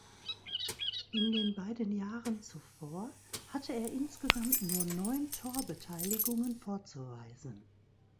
In den beiden Jahren zuvor hatte er insgesamt nur neun Torbeteiligungen vorzuweisen.